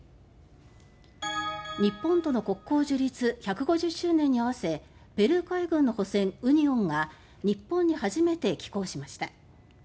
日本との国交樹立１５０周年に合わせペルー海軍の練習艦「ウニオン」が日本に初めて寄港しました。